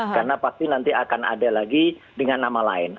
karena pasti nanti akan ada lagi dengan nama lain